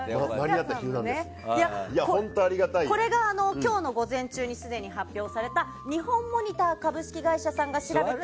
これが今日の午前中にすでに発表されたニホンモニター株式会社さんが調べた。